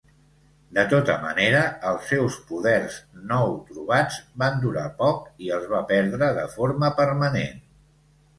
De tota manera, els seus poders nou-trobats van durar poc, i els va perdre de forma permanent.